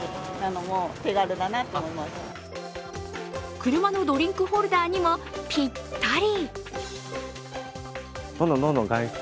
車のドリンクホルダーにもぴったり。